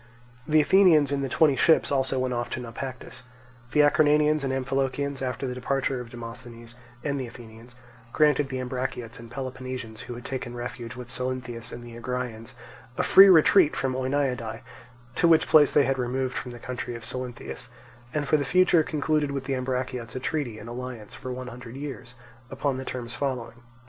The Athenians in the twenty ships also went off to Naupactus. The Acarnanians and Amphilochians, after the departure of Demosthenes and the Athenians, granted the Ambraciots and Peloponnesians who had taken refuge with Salynthius and the Agraeans a free retreat from Oeniadae, to which place they had removed from the country of Salynthius, and for the future concluded with the Ambraciots a treaty and alliance for one hundred years, upon the terms following.